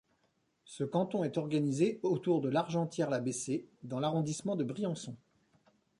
Ce canton est organisé autour de L'Argentière-la-Bessée dans l'arrondissement de Briançon.